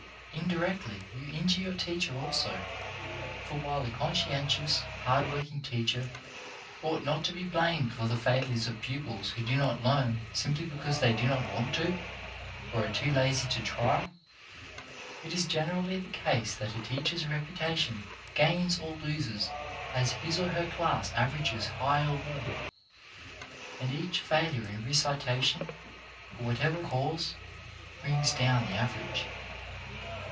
Indirectly you injure your teacher also, for while a conscientious, hard working teacher ought not to be blamed for the failures of pupils who do not learn simply because they do not want to, or are too lazy to try, it is generally the case that a teacher's reputa tion gains or loses as his or her class averages high or low. And each failure in recitation, for what ever cause, brings down the average.